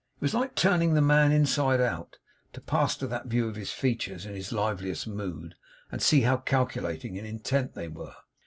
It was like turning the man inside out, to pass to that view of his features in his liveliest mood, and see how calculating and intent they were.